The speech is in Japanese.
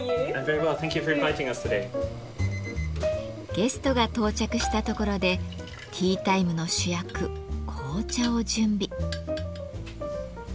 ゲストが到着したところでティータイムの主役紅茶を準備。